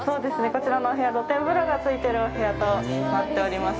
こちらのお部屋露天風呂がついてるお部屋となっております。